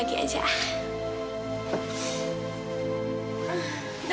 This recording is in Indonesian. enggak usah ngeliatin aku